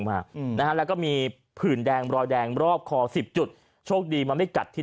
มาอืมนะฮะแล้วก็มีผื่นแดงรอยแดงรอบคอสิบจุดโชคดีมันไม่กัดที่